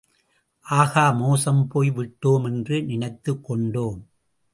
ஆகா மோசம் போய் விட்டோம் என்று நினைத்துக் கொண்டோம்.